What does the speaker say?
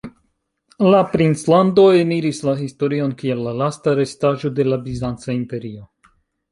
La princlando eniris la historion kiel la lasta restaĵo de la Bizanca Imperio.